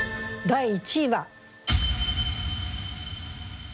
第１位は。